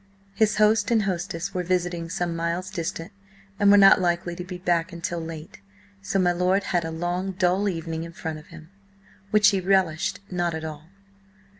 His host and hostess were visiting some miles distant, and were not likely to be back until late, so my lord had a long dull evening in front of him, which he relished not at all.